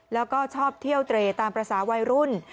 แล้วก็ชอบเที่ยวเตรตามภาษาวัยรุ่น